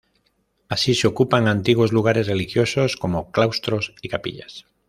Así se ocupan antiguos lugares religiosos como claustros y capillas.